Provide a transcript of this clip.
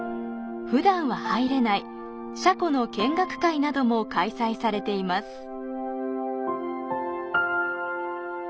普段は入れない車庫の見学会なども開催されています。